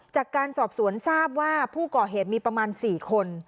จากการสอบสวนทราบว่าผู้ก่อเหตุมีประมาณ๔คน